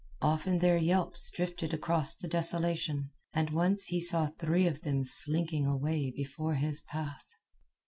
Often their yelps drifted across the desolation, and once he saw three of them slinking away before his path.